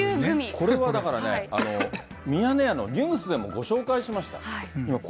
これはだからね、ミヤネ屋のニュースでもご紹介しました。